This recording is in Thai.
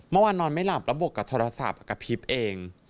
เมื่อวานนอนไม่หลับแล้วบวกกับโทรศัพท์กับพลิปเอง